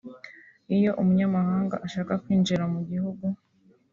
Iyo umunyamahanga ashaka kwinjira mu gihugu